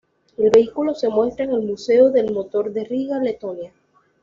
El vehículo se muestra en el Museo del Motor de Riga, Letonia.